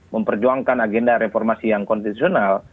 memperjuangkan agenda reformasi yang konstitusional